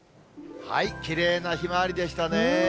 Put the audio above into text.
きれいなひまわりでしたね。